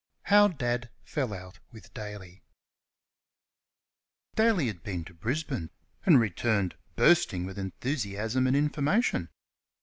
HOW DAD FELL OUT WITH DALY Daly had been to Brisbane, and returned bursting with enthusiasm and information.